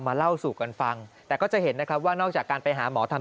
เล่าสู่กันฟังแต่ก็จะเห็นนะครับว่านอกจากการไปหาหมอทำ